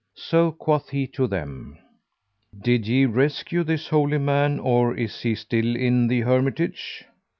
So quoth he to them, "Did ye rescue this holy man or is he still in the hermitage?"